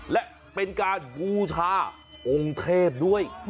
และเป็นการบูชาองค์เทพด้วย